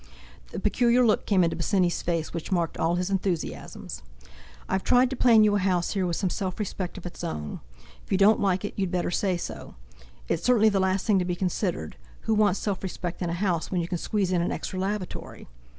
The peculiar look came into Bosinney's face which marked all his enthusiasms. "I've tried to plan you a house here with some self respect of its own. If you don't like it, you'd better say so. It's certainly the last thing to be considered—who wants self respect in a house, when you can squeeze in an extra lavatory?"